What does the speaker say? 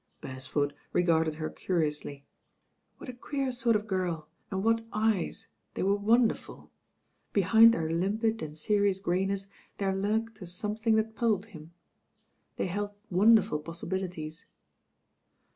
Beresford regarded her curiously. What a queer sort of girl and what eyes, they were won derful. Behind their limpid and serious greyness there lurked a something that puzzled him. They held wonderful possibilities.